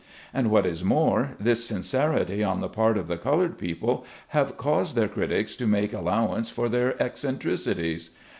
And what is more, this sincerity on the part of the colored peo ple have caused their critics to make allowance for their eccentricities.